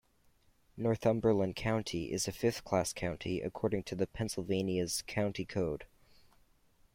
Northumberland County is a fifth class county according to the Pennsylvania's County Code.